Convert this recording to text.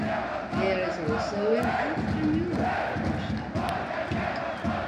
There is also an afternoon rush hour.